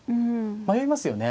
迷いますよね。